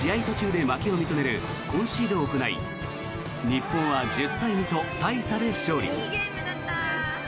途中で負けを認めるコンシードを行い日本は１０対２と大差で勝利。